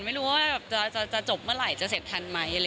ไม่รู้ว่าจะจบเมื่อไหร่จะเสร็จทันไหม